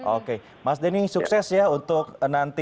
oke mas denny sukses ya untuk nanti